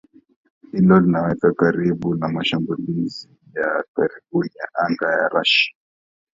Hilo linawaweka karibu na mashambulizi ya karibuni ya anga ya Russia